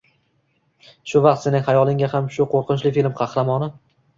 Shu vaqt sening hayolingga ham shu qo‘rqinchli film qahramoni